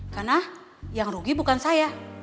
karena yang rugi bukan saya